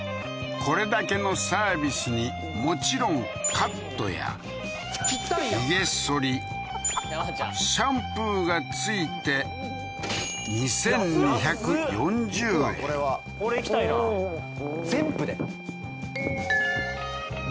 これだけのサービスにもちろんカットや髭剃りシャンプーが付いて２，２４０円これ行きたいな全部で？